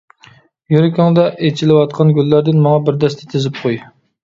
يۈرىكىڭدە ئېچىلىۋاتقان گۈللەردىن ماڭا بىر دەستە تىزىپ قوي.